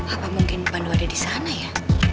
apa mungkin bandung ada di sana ya